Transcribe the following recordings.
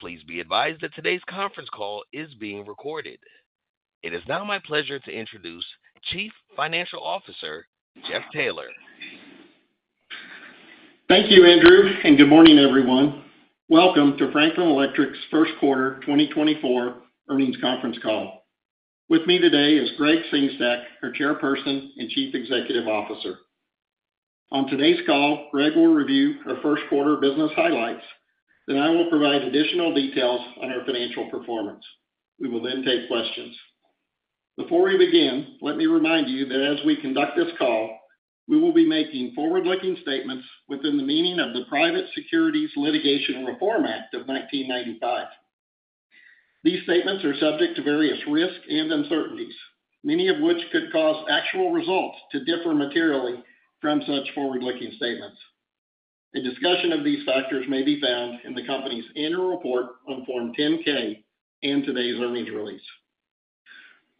Please be advised that today's conference call is being recorded. It is now my pleasure to introduce Chief Financial Officer, Jeff Taylor. Thank you, Andrew, and good morning, everyone. Welcome to Franklin Electric's first quarter 2024 earnings conference call. With me today is Gregg Sengstack, our Chairperson and Chief Executive Officer. On today's call, Gregg will review our first quarter business highlights, then I will provide additional details on our financial performance. We will then take questions. Before we begin, let me remind you that as we conduct this call, we will be making forward-looking statements within the meaning of the Private Securities Litigation Reform Act of 1995. These statements are subject to various risks and uncertainties, many of which could cause actual results to differ materially from such forward-looking statements. A discussion of these factors may be found in the company's annual report on Form 10-K and today's earnings release.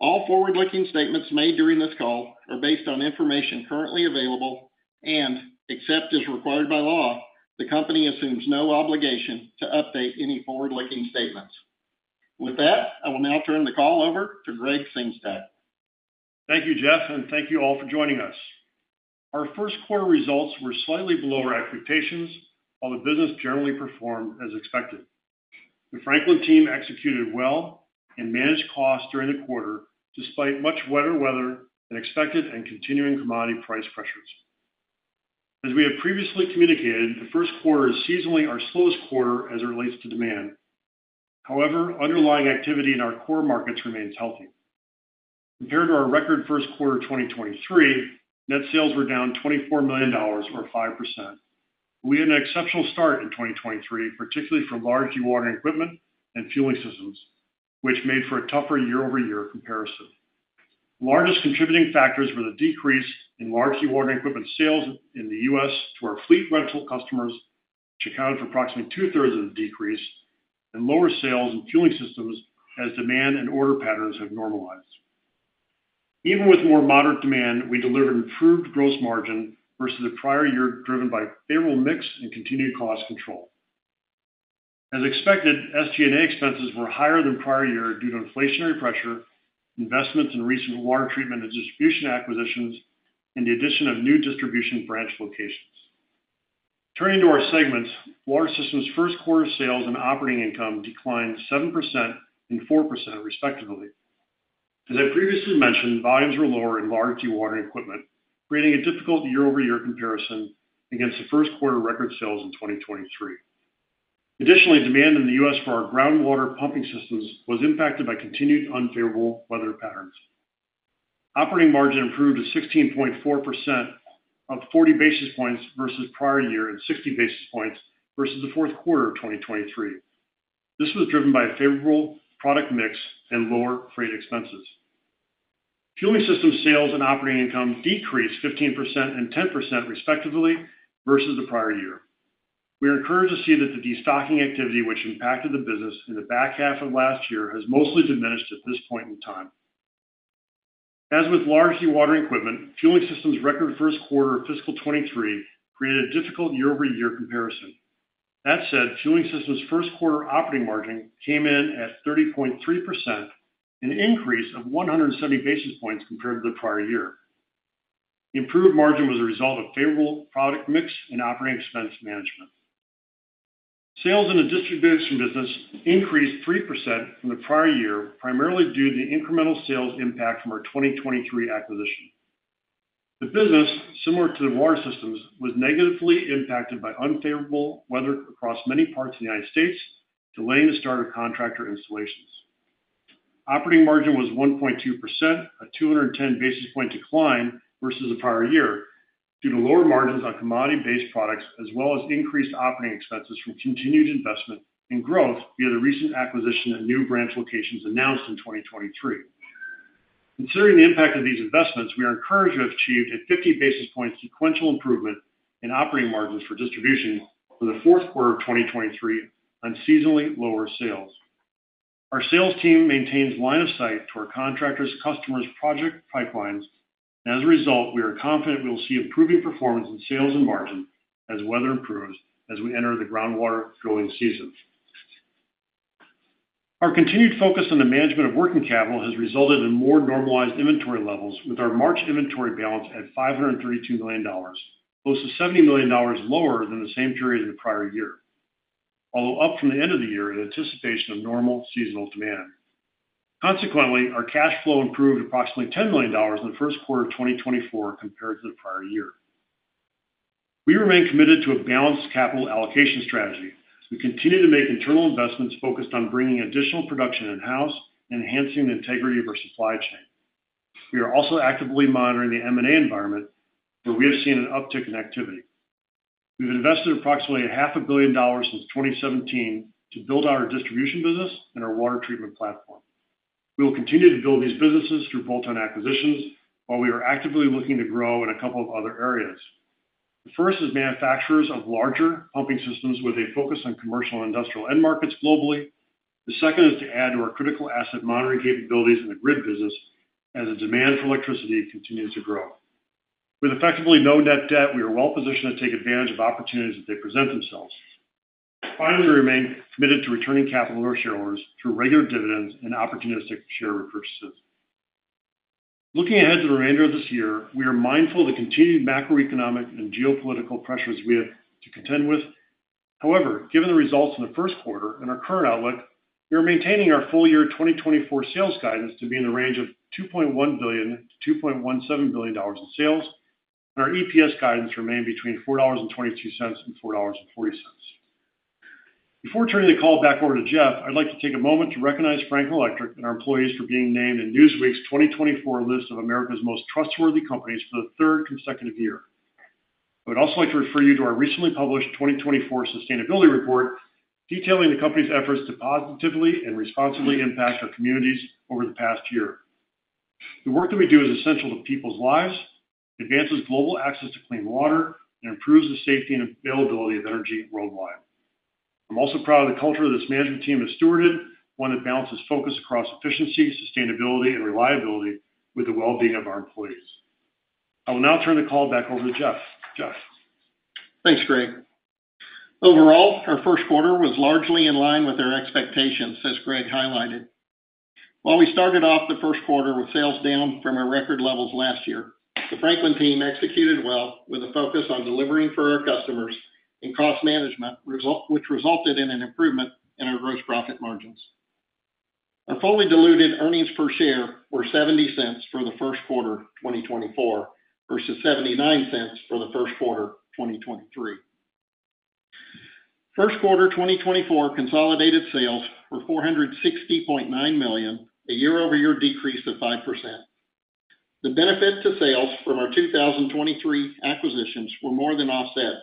All forward-looking statements made during this call are based on information currently available, and except as required by law, the company assumes no obligation to update any forward-looking statements. With that, I will now turn the call over to Gregg Sengstack. Thank you, Jeff, and thank you all for joining us. Our first quarter results were slightly below our expectations, while the business generally performed as expected. The Franklin team executed well and managed costs during the quarter, despite much wetter weather than expected and continuing commodity price pressures. As we have previously communicated, the first quarter is seasonally our slowest quarter as it relates to demand. However, underlying activity in our core markets remains healthy. Compared to our record first quarter 2023, net sales were down $24 million, or 5%. We had an exceptional start in 2023, particularly for large dewatering equipment and Fueling Systems, which made for a tougher year-over-year comparison. Largest contributing factors were the decrease in large dewatering equipment sales in the U.S. to our fleet rental customers, which accounted for approximately 2/3 of the decrease, and lower sales in Fueling Systems as demand and order patterns have normalized. Even with more moderate demand, we delivered improved gross margin versus the prior year, driven by favorable mix and continued cost control. As expected, SG&A expenses were higher than prior year due to inflationary pressure, investments in recent water treatment and Distribution acquisitions, and the addition of new Distribution branch locations. Turning to our segments, Water Systems' first quarter sales and operating income declined 7% and 4%, respectively. As I previously mentioned, volumes were lower in large dewatering equipment, creating a difficult year-over-year comparison against the first quarter record sales in 2023. Additionally, demand in the U.S. for our groundwater pumping systems was impacted by continued unfavorable weather patterns. Operating margin improved to 16.4%, up 40 basis points versus the prior year, and 60 basis points versus the fourth quarter of 2023. This was driven by a favorable product mix and lower freight expenses. Fueling System sales and operating income decreased 15% and 10%, respectively, versus the prior year. We are encouraged to see that the destocking activity, which impacted the business in the back half of last year, has mostly diminished at this point in time. As with large dewatering equipment, Fueling Systems' record first quarter of fiscal 2023 created a difficult year-over-year comparison. That said, Fueling Systems' first quarter operating margin came in at 30.3%, an increase of 170 basis points compared to the prior year. Improved margin was a result of favorable product mix and operating expense management. Sales in the Distribution business increased 3% from the prior year, primarily due to the incremental sales impact from our 2023 acquisition. The business, similar to the Water Systems, was negatively impacted by unfavorable weather across many parts of the United States, delaying the start of contractor installations. Operating margin was 1.2%, a 210 basis point decline versus the prior year, due to lower margins on commodity-based products, as well as increased operating expenses from continued investment and growth via the recent acquisition of new branch locations announced in 2023. Considering the impact of these investments, we are encouraged to have achieved a 50 basis point sequential improvement in operating margins for Distribution for the fourth quarter of 2023 on seasonally lower sales. Our sales team maintains line of sight to our contractors, customers, project pipelines, and as a result, we are confident we will see improving performance in sales and margin as weather improves as we enter the groundwater growing season. Our continued focus on the management of working capital has resulted in more normalized inventory levels, with our March inventory balance at $532 million, close to $70 million lower than the same period in the prior year, although up from the end of the year in anticipation of normal seasonal demand. Consequently, our cash flow improved approximately $10 million in the first quarter of 2024 compared to the prior year. We remain committed to a balanced capital allocation strategy. We continue to make internal investments focused on bringing additional production in-house and enhancing the integrity of our supply chain. We are also actively monitoring the M&A environment, where we have seen an uptick in activity. We've invested approximately $500 million since 2017 to build out our Distribution business and our water treatment platform. We will continue to build these businesses through bolt-on acquisitions, while we are actively looking to grow in a couple of other areas. The first is manufacturers of larger pumping systems with a focus on commercial and industrial end markets globally. The second is to add to our critical asset monitoring capabilities in the grid business as the demand for electricity continues to grow. With effectively no net debt, we are well positioned to take advantage of opportunities as they present themselves. Finally, we remain committed to returning capital to our shareholders through regular dividends and opportunistic share repurchases. Looking ahead to the remainder of this year, we are mindful of the continued macroeconomic and geopolitical pressures we have to contend with. However, given the results in the first quarter and our current outlook, we are maintaining our full year 2024 sales guidance to be in the range of $2.1 billion-$2.17 billion in sales, and our EPS guidance remain between $4.22 and $4.40. Before turning the call back over to Jeff, I'd like to take a moment to recognize Franklin Electric and our employees for being named in Newsweek's 2024 list of America's Most Trustworthy Companies for the third consecutive year. I would also like to refer you to our recently published 2024 sustainability report, detailing the company's efforts to positively and responsibly impact our communities over the past year. The work that we do is essential to people's lives, advances global access to clean water, and improves the safety and availability of energy worldwide. I'm also proud of the culture this management team has stewarded, one that balances focus across efficiency, sustainability, and reliability with the well-being of our employees. I will now turn the call back over to Jeff. Jeff? Thanks, Gregg. Overall, our first quarter was largely in line with our expectations, as Gregg highlighted. While we started off the first quarter with sales down from our record levels last year, the Franklin team executed well with a focus on delivering for our customers and cost management, which resulted in an improvement in our gross profit margins. Our fully diluted earnings per share were $0.70 for the first quarter of 2024, versus $0.79 for the first quarter of 2023. First quarter 2024 consolidated sales were $460.9 million, a year-over-year decrease of 5%. The benefit to sales from our 2023 acquisitions were more than offset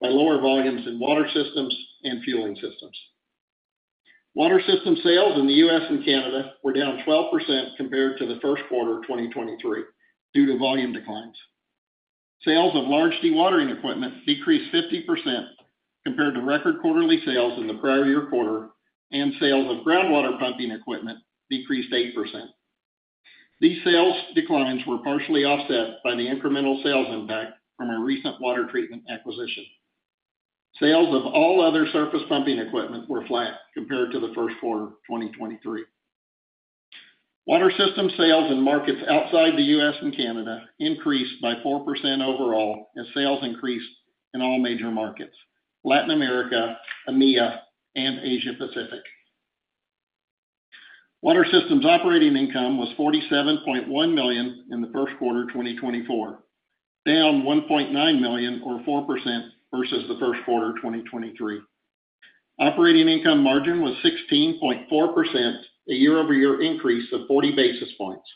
by lower volumes in Water Systems and Fueling Systems. Water Systems sales in the U.S. and Canada were down 12% compared to the first quarter of 2023 due to volume declines. Sales of large dewatering equipment decreased 50% compared to record quarterly sales in the prior year quarter, and sales of groundwater pumping equipment decreased 8%. These sales declines were partially offset by the incremental sales impact from our recent water treatment acquisition. Sales of all other surface pumping equipment were flat compared to the first quarter of 2023. Water Systems sales in markets outside the U.S. and Canada increased by 4% overall, as sales increased in all major markets: Latin America, EMEA, and Asia Pacific. Water Systems operating income was $47.1 million in the first quarter of 2024, down $1.9 million or 4% versus the first quarter of 2023. Operating income margin was 16.4%, a year-over-year increase of 40 basis points.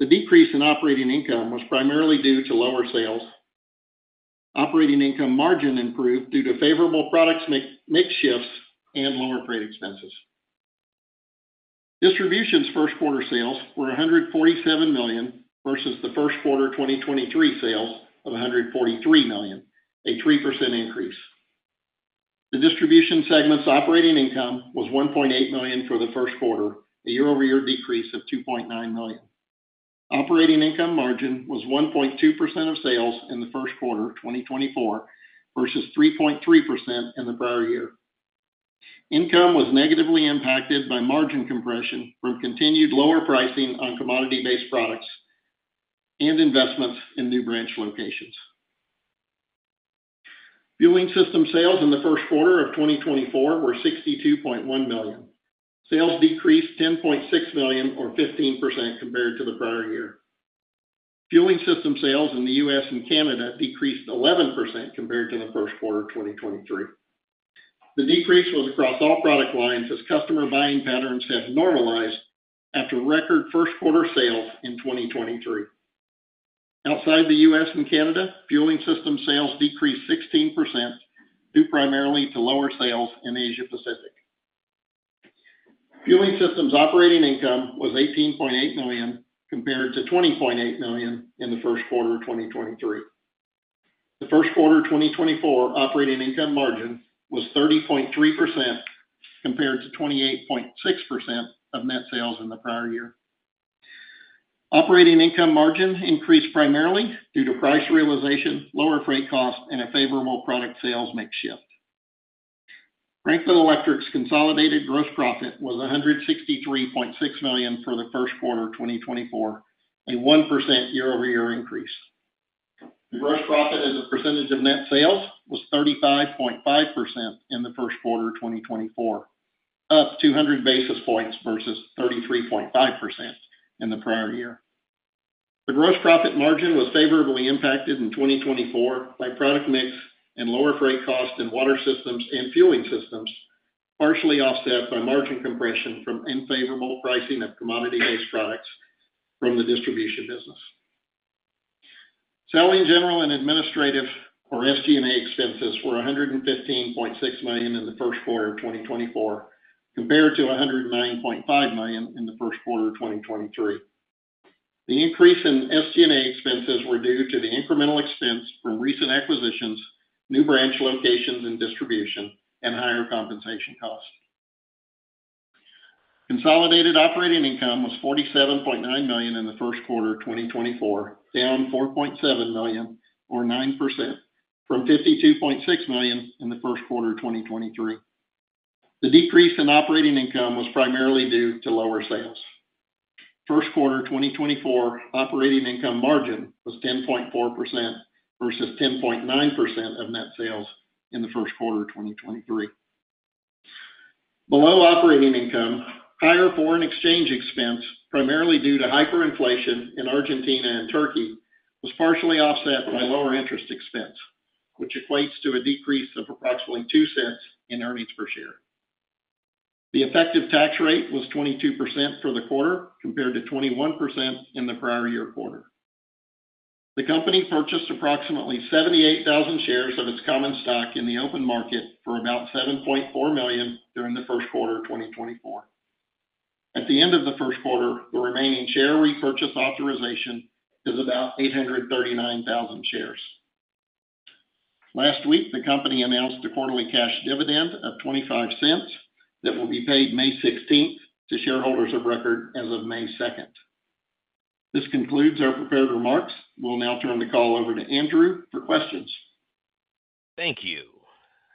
The decrease in operating income was primarily due to lower sales. Operating income margin improved due to favorable product mix, mix shifts and lower freight expenses. Distribution's first quarter sales were $147 million versus the first quarter 2023 sales of $143 million, a 3% increase. The Distribution segment's operating income was $1.8 million for the first quarter, a year-over-year decrease of $2.9 million. Operating income margin was 1.2% of sales in the first quarter of 2024, versus 3.3% in the prior year. Income was negatively impacted by margin compression from continued lower pricing on commodity-based products and investments in new branch locations. Fueling System sales in the first quarter of 2024 were $62.1 million. Sales decreased $10.6 million, or 15%, compared to the prior year. Fueling System sales in the U.S. and Canada decreased 11% compared to the first quarter of 2023. The decrease was across all product lines as customer buying patterns have normalized after record first quarter sales in 2023. Outside the U.S. and Canada, Fueling System sales decreased 16%, due primarily to lower sales in Asia Pacific. Fueling Systems operating income was $18.8 million, compared to $20.8 million in the first quarter of 2023. The first quarter of 2024 operating income margin was 30.3%, compared to 28.6% of net sales in the prior year. Operating income margin increased primarily due to price realization, lower freight costs, and a favorable product sales mix shift. Franklin Electric's consolidated gross profit was $163.6 million for the first quarter of 2024, a 1% year-over-year increase. The gross profit as a percentage of net sales was 35.5% in the first quarter of 2024, up 200 basis points versus 33.5% in the prior year. The gross profit margin was favorably impacted in 2024 by product mix and lower freight costs in Water Systems and Fueling Systems, partially offset by margin compression from unfavorable pricing of commodity-based products from the Distribution business. Selling, General, and Administrative, or SG&A expenses, were $115.6 million in the first quarter of 2024, compared to $109.5 million in the first quarter of 2023. The increase in SG&A expenses were due to the incremental expense from recent acquisitions, new branch locations and Distribution, and higher compensation costs. Consolidated operating income was $47.9 million in the first quarter of 2024, down $4.7 million, or 9%, from $52.6 million in the first quarter of 2023. The decrease in operating income was primarily due to lower sales. First quarter 2024 operating income margin was 10.4% versus 10.9% of net sales in the first quarter of 2023. Below operating income, higher foreign exchange expense, primarily due to hyperinflation in Argentina and Turkey, was partially offset by lower interest expense, which equates to a decrease of approximately $0.02 in earnings per share. The effective tax rate was 22% for the quarter, compared to 21% in the prior year quarter. The company purchased approximately 78,000 shares of its common stock in the open market for about $7.4 million during the first quarter of 2024. At the end of the first quarter, the remaining share repurchase authorization is about 839,000 shares. Last week, the company announced a quarterly cash dividend of $0.25 that will be paid May 16th to shareholders of record as of May 2nd. This concludes our prepared remarks. We'll now turn the call over to Andrew for questions. Thank you.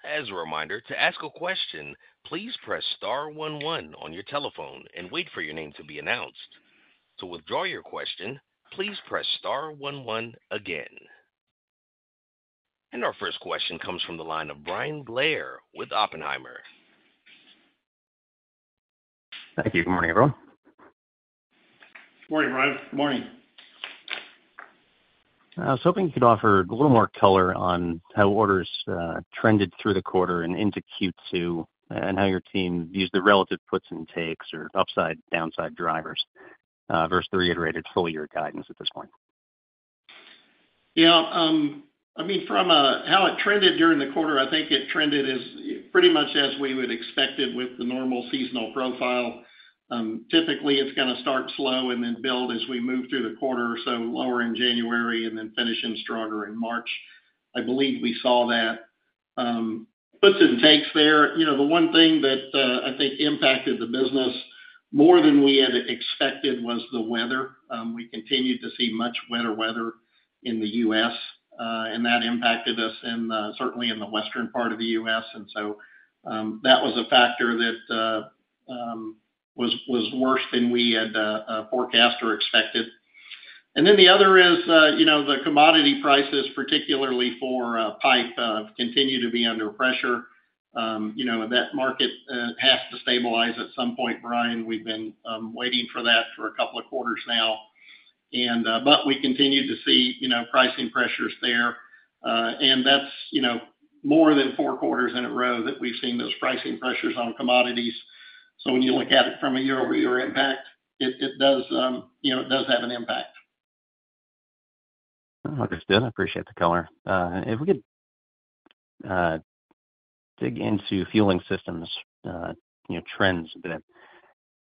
As a reminder, to ask a question, please press star one one on your telephone and wait for your name to be announced. To withdraw your question, please press star one one again. Our first question comes from the line of Bryan Blair with Oppenheimer. Thank you. Good morning, everyone. Good morning, Bryan. Morning. I was hoping you could offer a little more color on how orders trended through the quarter and into Q2, and how your team views the relative puts and takes or upside/downside drivers versus the reiterated full year guidance at this point? Yeah, I mean, from how it trended during the quarter, I think it trended as pretty much as we would expect it with the normal seasonal profile. Typically, it's gonna start slow and then build as we move through the quarter, so lower in January, and then finishing stronger in March. I believe we saw that. Puts and takes there, you know, the one thing that I think impacted the business more than we had expected was the weather. We continued to see much wetter weather in the U.S., and that impacted us in certainly in the western part of the U.S. So, that was a factor that was worse than we had forecast or expected. Then the other is, you know, the commodity prices, particularly for pipe, continue to be under pressure. You know, that market has to stabilize at some point, Bryan. We've been waiting for that for a couple of quarters now. We continue to see, you know, pricing pressures there, and that's, you know, more than four quarters in a row that we've seen those pricing pressures on commodities. When you look at it from a year-over-year impact, it, it does, you know, it does have an impact. Understood. I appreciate the color. If we could dig into Fueling Systems, you know, trends a bit.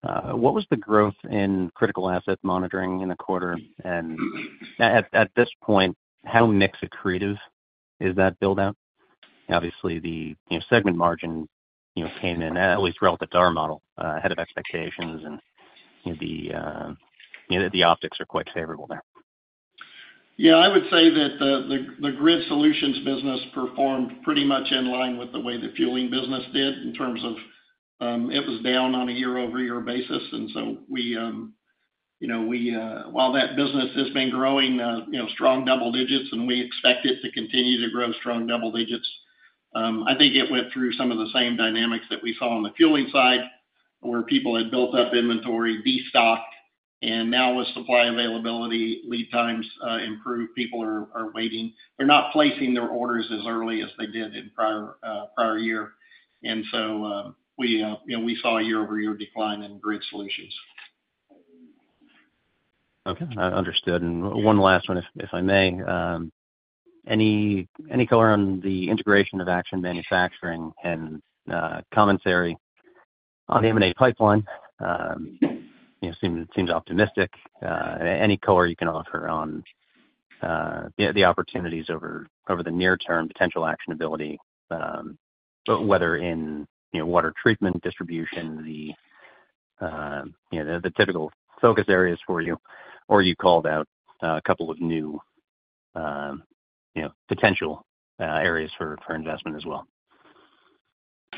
What was the growth in critical asset monitoring in the quarter? And At this point, how mix accretive is that build-out? Obviously, the, you know, segment margin, you know, came in, at least relative to our model, ahead of expectations, and, you know, the, you know, the optics are quite favorable there. Yeah, I would say that the Grid Solutions business performed pretty much in line with the way the fueling business did in terms of, it was down on a year-over-year basis. And so we, you know, we, while that business has been growing, you know, strong double digits, and we expect it to continue to grow strong double digits, I think it went through some of the same dynamics that we saw on the fueling side, where people had built up inventory, destocked, and now with supply availability, lead times, improved, people are waiting. They're not placing their orders as early as they did in prior, prior year. And so, we, you know, we saw a year-over-year decline in Grid Solutions. Okay, understood. One last one, if I may. Any color on the integration of Action Manufacturing and commentary on the M&A pipeline? You know, it seems optimistic. Any color you can offer on the opportunities over the near-term potential actionability, but whether in water treatment, Distribution, the typical focus areas for you, or you called out a couple of new potential areas for investment as well.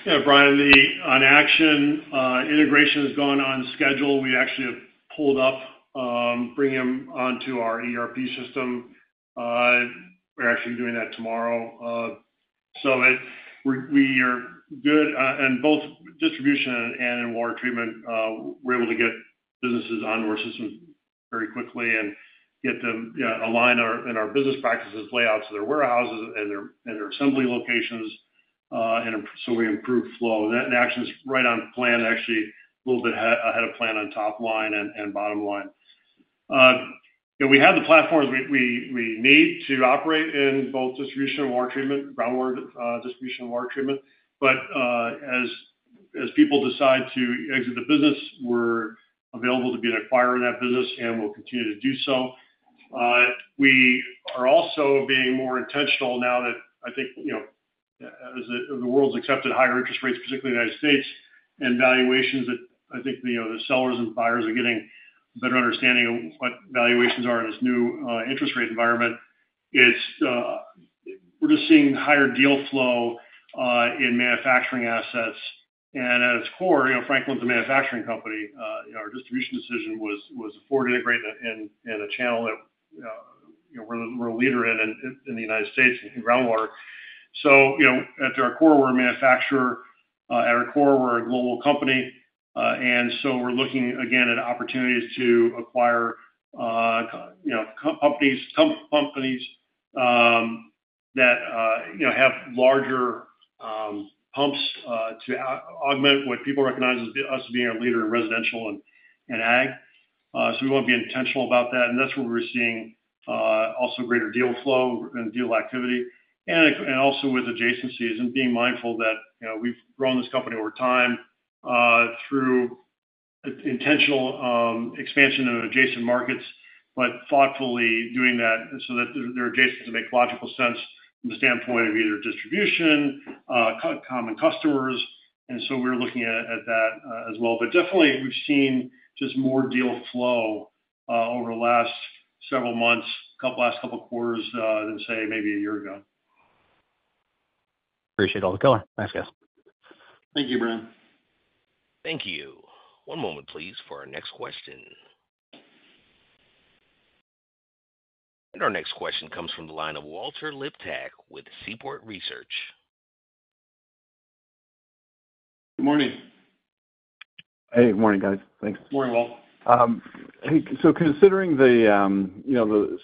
Yeah, Bryan, the Action integration has gone on schedule. We actually have brought them onto our ERP system. We're actually doing that tomorrow. We are good in both Distribution and in water treatment. We're able to get businesses onto our system very quickly and get them aligned with our business practices, layouts of their warehouses and their assembly locations, and so we improve flow. That Action is right on plan, actually a little bit ahead of plan on top line and bottom line. You know, we have the platforms we need to operate in both Distribution and water treatment, groundwater, Distribution and water treatment. But, as people decide to exit the business, we're. Available to be an acquirer in that business and will continue to do so. We are also being more intentional now that I think, you know, as the world's accepted higher interest rates, particularly United States, and valuations that I think, you know, the sellers and buyers are getting a better understanding of what valuations are in this new interest rate environment, we're just seeing higher deal flow in manufacturing assets. At its core, you know, Franklin's a manufacturing company. Our Distribution decision was to forward integrate and a channel that, you know, we're a leader in the United States in groundwater. So, you know, at our core, we're a manufacturer. At our core, we're a global company, and so we're looking again at opportunities to acquire, you know, companies, pump companies, that, you know, have larger pumps, to augment what people recognize as us being a leader in residential and Ag. So we want to be intentional about that, and that's where we're seeing also greater deal flow and deal activity. Also with adjacencies and being mindful that, you know, we've grown this company over time, through intentional expansion into adjacent markets, but thoughtfully doing that so that they're adjacent to make logical sense from the standpoint of either Distribution, common customers. So we're looking at that as well. Definitely we've seen just more deal flow over the last several months, last couple quarters, than, say, maybe a year ago. Appreciate all the color. Thanks, guys. Thank you, Bryan. Thank you. One moment, please, for our next question. Our next question comes from the line of Walter Liptak with Seaport Research. Good morning. Hey, good morning, guys. Thanks. Good morning, Walt. Hey, so considering the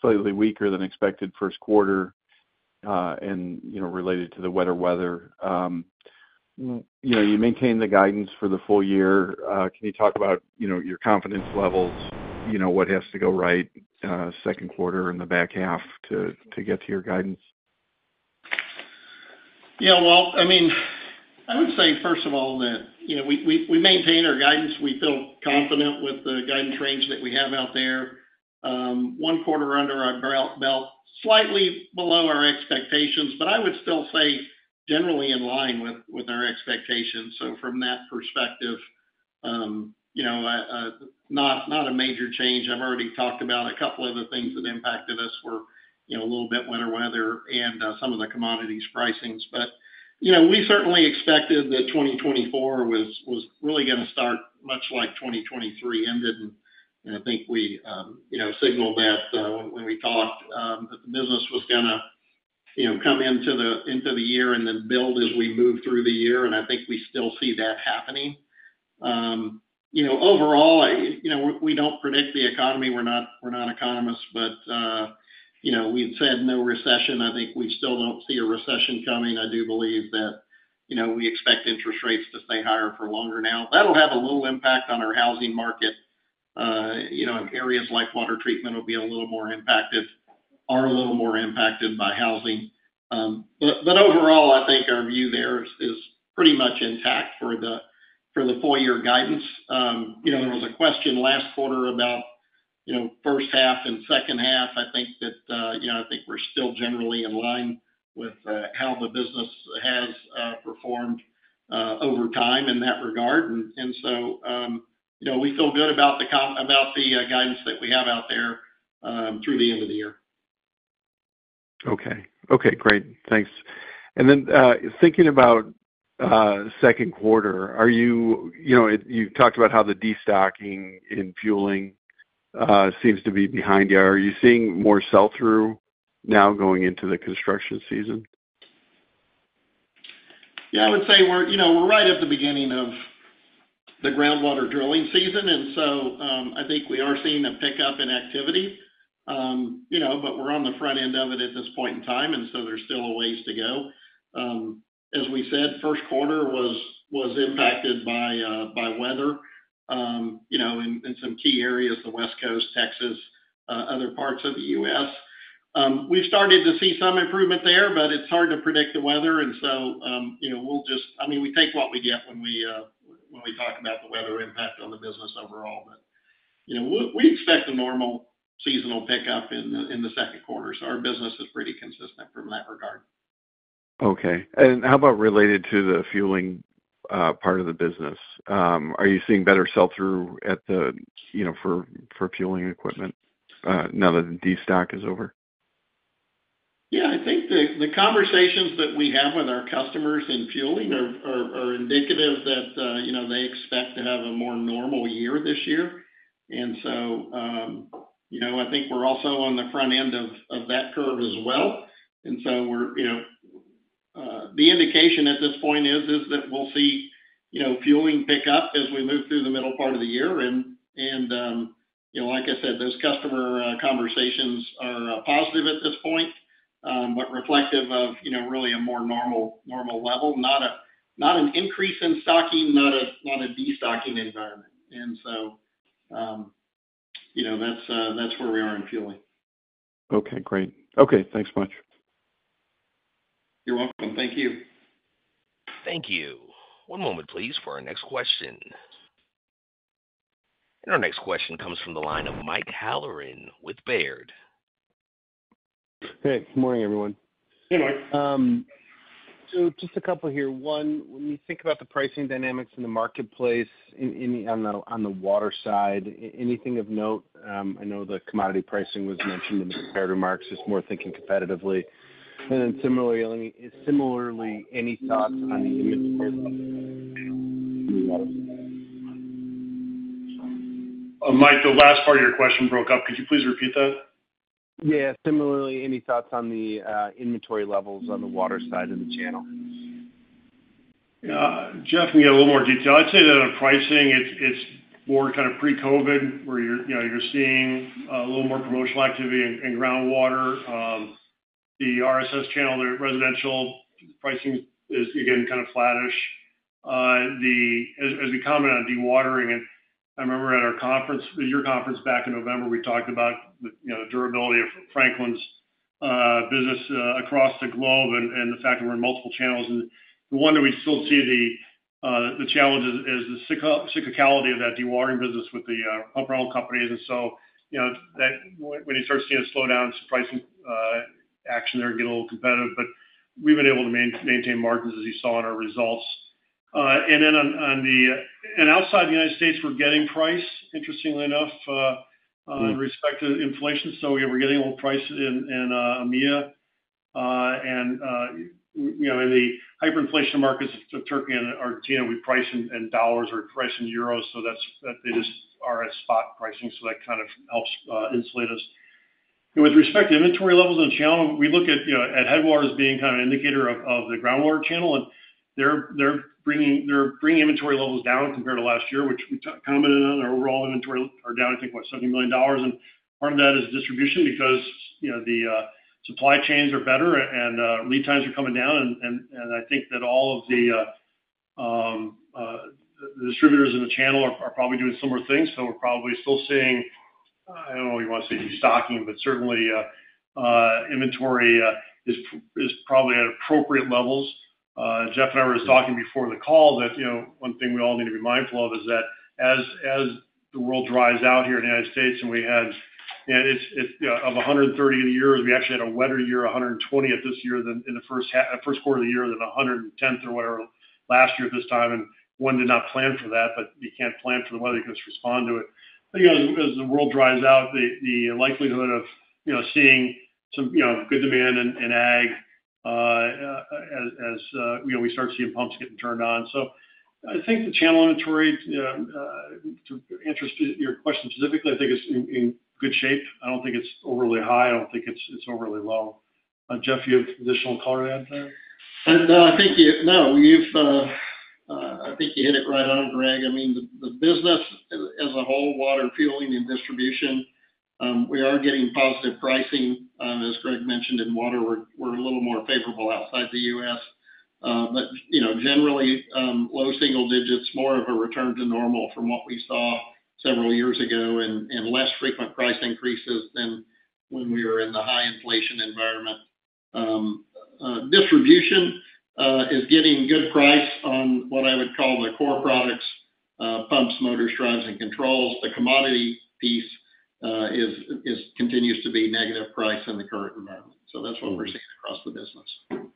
slightly weaker than expected first quarter, and, you know, related to the wetter weather, you know, you maintained the guidance for the full year. Can you talk about, you know, your confidence levels, you know, what has to go right, second quarter and the back half to get to your guidance? Yeah, Walt, I mean, I would say, first of all, that, you know, we maintain our guidance. We feel confident with the guidance range that we have out there. One quarter under our belt, slightly below our expectations, but I would still say generally in line with our expectations. So from that perspective, you know, not a major change. I've already talked about a couple of the things that impacted us were, you know, a little bit winter weather and some of the commodities pricings. But, you know, we certainly expected that 2024 was really gonna start much like 2023 ended, and I think we, you know, signaled that when we talked that the business was gonna, you know, come into the year and then build as we move through the year. I think we still see that happening. You know, overall, you know, we, we don't predict the economy, we're not, we're not economists, but, you know, we've said no recession. I think we still don't see a recession coming. I do believe that, you know, we expect interest rates to stay higher for longer now. That'll have a little impact on our housing market. You know, in areas like water treatment will be a little more impacted, are a little more impacted by housing. But, but overall, I think our view there is, is pretty much intact for the, for the full year guidance. You know, there was a question last quarter about, you know, first half and second half. I think that, you know, I think we're still generally in line with how the business has performed over time in that regard. So, you know, we feel good about the guidance that we have out there through the end of the year. Okay. Okay, great. Thanks. And then, thinking about second quarter, are you... You know, you talked about how the destocking in fueling seems to be behind you. Are you seeing more sell-through now going into the construction season? Yeah, I would say we're, you know, we're right at the beginning of the groundwater drilling season, and so, I think we are seeing a pickup in activity. You know, but we're on the front end of it at this point in time, and so there's still a ways to go. As we said, first quarter was impacted by weather, you know, in some key areas, the West Coast, Texas, other parts of the U.S. We've started to see some improvement there, but it's hard to predict the weather. And so, you know, we'll just- I mean, we take what we get when we talk about the weather impact on the business overall. We expect a normal seasonal pickup in the second quarter, so our business is pretty consistent from that regard. Okay. How about related to the fueling part of the business? Are you seeing better sell-through at the, you know, for, for fueling equipment, now that the destocking is over? Yeah, I think the conversations that we have with our customers in fueling are indicative that, you know, they expect to have a more normal year this year. And so, you know, I think we're also on the front end of that curve as well. We're, you know, the indication at this point is that we'll see, you know, fueling pick up as we move through the middle part of the year. And, you know, like I said, those customer conversations are positive at this point, but reflective of, you know, really a more normal level, not an increase in stocking, not a destocking environment. And so, you know, that's where we are in fueling. Okay, great. Okay, thanks much. You're welcome. Thank you. Thank you. One moment, please, for our next question. Our next question comes from the line of Mike Halloran with Baird. Hey, good morning, everyone. Hey, Mike. Just a couple here. One, when you think about the pricing dynamics in the marketplace, on the water side, anything of note? I know the commodity pricing was mentioned in the prepared remarks, just more thinking competitively. Then similarly, any thoughts on the inventory levels? Mike, the last part of your question broke up. Could you please repeat that? Yeah. Similarly, any thoughts on the inventory levels on the water side of the channel? Jeff, can get a little more detail. I'd say that on pricing, it's more kind of pre-COVID, where you're seeing a little more promotional activity in groundwater. The Res channel, the residential pricing is again kind of flattish. As we comment on dewatering, and I remember at our conference, your conference back in November, we talked about the durability of Franklin's business across the globe and the fact that we're in multiple channels. The one that we still see the challenge is the cyclicality of that dewatering business with the pump rental companies. So, you know, that when you start seeing a slowdown, pricing action there get a little competitive. We've been able to maintain margins, as you saw in our results. Then outside the United States, we're getting price, interestingly enough, with respect to inflation. So yeah, we're getting a little price in EMEA. And, you know, in the hyperinflation markets of Turkey and Argentina, we price in dollars or price in euros, so that's, that they just are at spot pricing, so that kind of helps insulate us. With respect to inventory levels on channel, we look at, you know, at Headwaters' being kind of an indicator of the groundwater channel, and they're bringing inventory levels down compared to last year, which we commented on. Our overall inventory are down, I think, about $70 million. Part of that is Distribution because, you know, the supply chains are better and lead times are coming down. I think that all of the distributors in the channel are probably doing similar things. We're probably still seeing, I don't know if you want to say, destocking, but certainly inventory is probably at appropriate levels. Jeff and I were talking before the call that, you know, one thing we all need to be mindful of is that as the world dries out here in the United States, and we had, and it's, you know, of 130 years, we actually had a wetter year, 120th this year than in the first half—first quarter of the year than 110th or whatever, last year at this time. One did not plan for that, but you can't plan for the weather, you can just respond to it. I think as the world dries out, the likelihood of, you know, seeing some, you know, good demand in Ag, as you know, we start seeing pumps getting turned on. I think the channel inventory, to answer your question specifically, I think it's in good shape. I don't think it's overly high. I don't think it's overly low. Jeff, you have additional color to add there? No, I think you hit it right on, Gregg. I mean, the business as a whole, water, fueling, and Distribution, we are getting positive pricing. As Gregg mentioned, in water, we're a little more favorable outside the U.S. But you know, generally, low single digits, more of a return to normal from what we saw several years ago, and less frequent price increases than when we were in the high inflation environment. Distribution is getting good price on what I would call the core products, pumps, motors, drives, and controls. The commodity piece continues to be negative price in the current environment. That's what we're seeing across the business.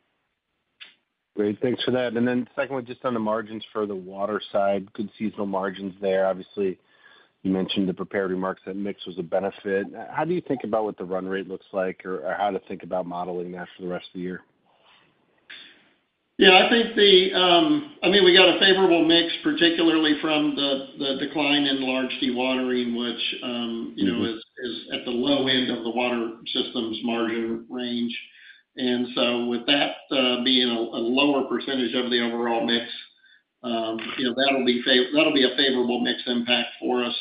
Great. Thanks for that. Then secondly, just on the margins for the water side, good seasonal margins there. Obviously, you mentioned the prepared remarks, that mix was a benefit. How do you think about what the run rate looks like or, or how to think about modeling that for the rest of the year? Yeah, I think the, I mean, we got a favorable mix, particularly from the, the decline in large dewatering, which, you know, is, is at the low end of the Water Systems margin range. With that, being a, a lower percentage of the overall mix, you know, that'll be that'll be a favorable mix impact for us.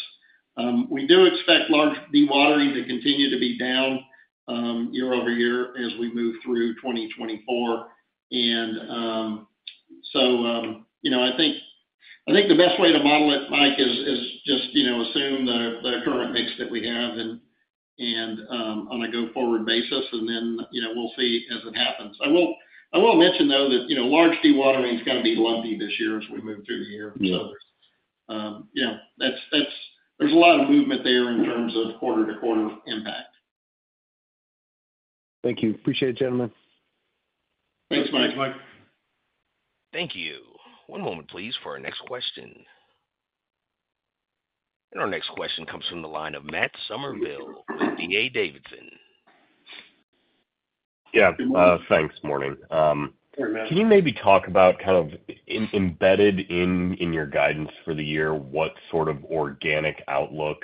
We do expect large dewatering to continue to be down, year-over-year as we move through 2024. And, so, you know, I think, I think the best way to model it, Mike, is, is just, you know, assume the, the current mix that we have and, and, on a go-forward basis, and then, you know, we'll see as it happens. I will, I will mention, though, that, you know, large dewatering is going to be lumpy this year as we move through the year. Yeah. You know, that's, there's a lot of movement there in terms of quarter-to-quarter impact. Thank you. Appreciate it, gentlemen. Thank you. One moment, please, for our next question. Our next question comes from the line of Matt Summerville with D.A. Davidson. Yeah, thanks. Morning. Hey, Matt. Can you maybe talk about kind of embedded in your guidance for the year, what sort of organic outlook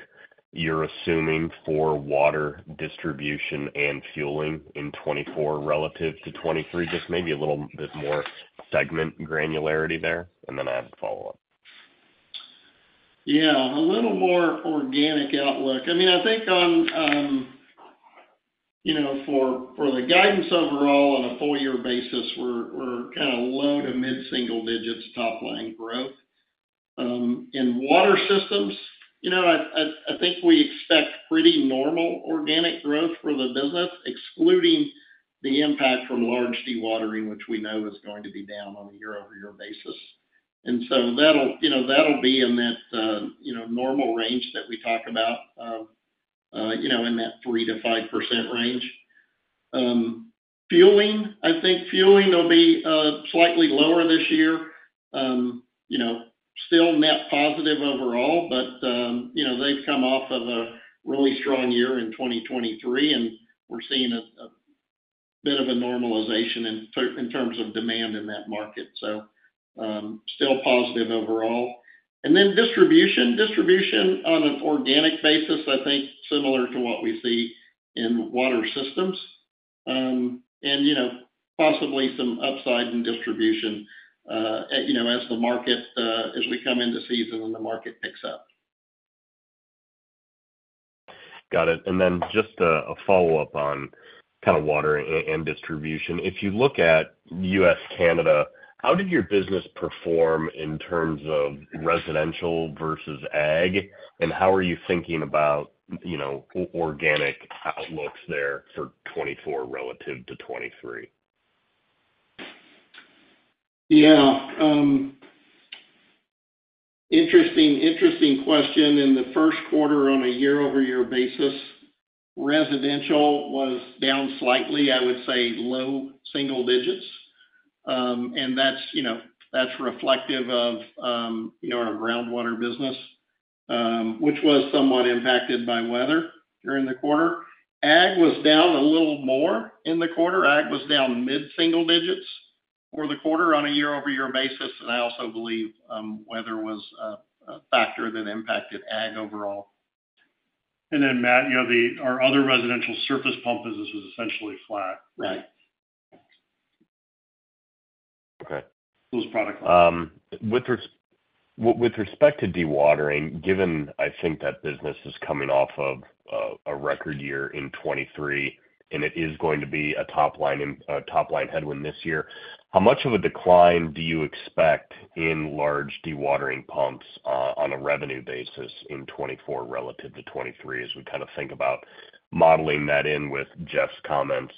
you're assuming for water Distribution and fueling in 2024 relative to 2023? Just maybe a little bit more segment granularity there, and then I have a follow-up. Yeah, a little more organic outlook. I mean, I think on, you know, for the guidance overall, on a full year basis, we're kind of low to mid-single digits top line growth. In Water Systems, you know, I think we expect pretty normal organic growth for the business, excluding the impact from large dewatering, which we know is going to be down on a year-over-year basis. That'll, you know, be in that, you know, normal range that we talk about, in that 3%-5% range. Fueling, I think fueling will be slightly lower this year. You know, still net positive overall, but, you know, they've come off of a really strong year in 2023, and we're seeing a bit of a normalization in terms of demand in that market. So, still positive overall. And then Distribution. Distribution on an organic basis, I think, similar to what we see in Water Systems. And, you know, possibly some upside in Distribution, you know, as we come into season and the market picks up. Got it. Then just a follow-up on kind of water and Distribution. If you look at U.S., Canada, how did your business perform in terms of residential versus Ag? And how are you thinking about, you know, organic outlooks there for 2024 relative to 2023? Yeah. Interesting, interesting question. In the first quarter on a year-over-year basis, residential was down slightly, I would say low single digits. That's, you know, that's reflective of, you know, our groundwater business, which was somewhat impacted by weather during the quarter. Ag was down a little more in the quarter. Ag was down mid-single digits for the quarter on a year-over-year basis, and I also believe, weather was a factor that impacted Ag overall. Then, Matt, you know, our other residential surface pump business was essentially flat. Right. Okay. Those product lines. With respect to dewatering, given I think that business is coming off of a record year in 2023, and it is going to be a top line headwind this year, how much of a decline do you expect in large dewatering pumps on a revenue basis in 2024 relative to 2023, as we kind of think about modeling that in with Jeff's comments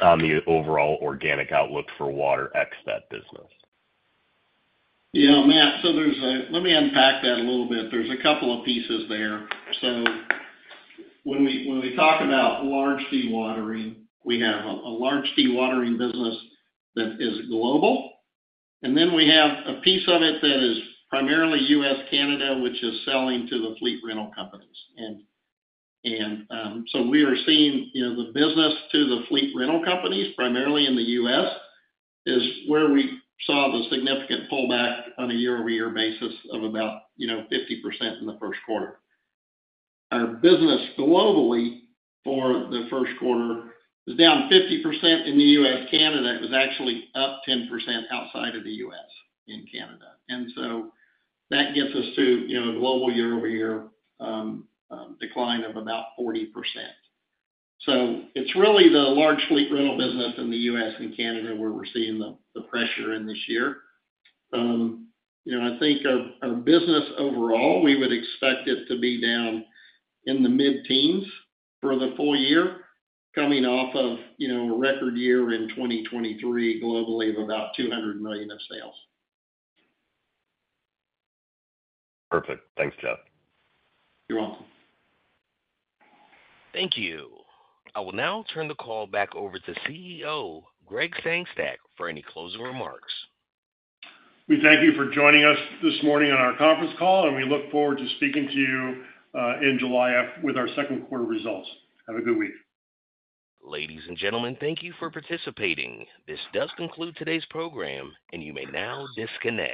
on the overall organic outlook for water ex that business? Yeah, Matt, so there's a. Let me unpack that a little bit. There's a couple of pieces there. When we, when we talk about large dewatering, we have a, a large dewatering business that is global, and then we have a piece of it that is primarily U.S., Canada, which is selling to the fleet rental companies. And, and, so we are seeing, you know, the business to the fleet rental companies, primarily in the U.S., is where we saw the significant pullback on a year-over-year basis of about, you know, 50% in the first quarter. Our business globally for the first quarter was down 50% in the U.S. Canada, it was actually up 10% outside of the U.S., in Canada. That gets us to, you know, global year-over-year decline of about 40%. It's really the large fleet rental business in the U.S. and Canada where we're seeing the pressure in this year. You know, I think our business overall, we would expect it to be down in the mid-teens for the full year, coming off of, you know, a record year in 2023 globally of about $200 million of sales. Perfect. Thanks, Jeff. You're welcome. Thank you. I will now turn the call back over to CEO, Gregg Sengstack, for any closing remarks. We thank you for joining us this morning on our conference call, and we look forward to speaking to you, in July with our second quarter results. Have a good week. Ladies and gentlemen, thank you for participating. This does conclude today's program, and you may now disconnect.